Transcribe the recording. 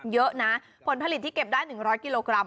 เยอะนะผลผลิตที่เก็บได้๑๐๐กิโลกรัม